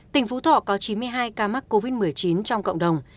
tỉnh phú thọ có chín mươi hai ca mắc covid một mươi chín trong cộng đồng